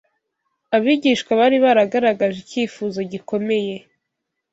abigishwa bari baragaragaje icyifuzo gikomeye